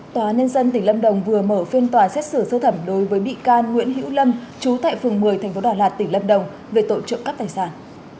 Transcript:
tòa nhân dân tỉnh lâm đồng vừa mở phiên tòa xét xử sơ thẩm đối với bị can nguyễn hữu lâm chú tại phường một mươi tp đà lạt tỉnh lâm đồng về tội trộm cắp tài sản